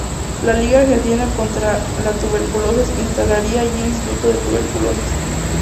La Liga Argentina contra la Tuberculosis instalaría allí el Instituto de la Tuberculosis.